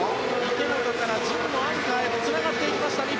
池本から神野、アンカーにつながっていきました。